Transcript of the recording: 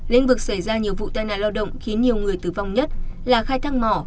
lĩnh vực xảy ra nhiều vụ tai nạn lao động khiến nhiều người tử vong nhất là khai thác mỏ